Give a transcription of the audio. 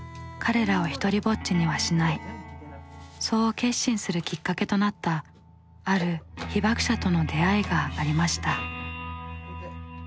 そう決心するきっかけとなったある被爆者との出会いがありました。